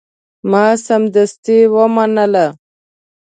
ما سمدستي ومنله.